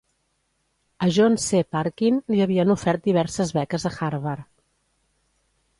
A John C. Parkin li havien ofert diverses beques a Harvard.